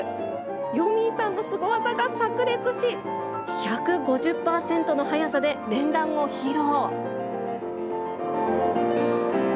よみぃさんのすご技がさく裂し、１５０％の速さで連弾を披露。